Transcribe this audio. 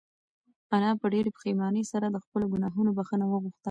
انا په ډېرې پښېمانۍ سره د خپلو گناهونو بښنه وغوښته.